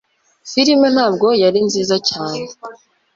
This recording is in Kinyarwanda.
filime ntabwo yari nziza cyane